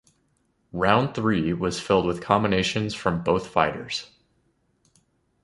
Round three was filled with combinations from both fighters.